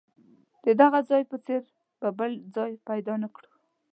د دغه ځای په څېر به بل ځای پیدا نه کړو.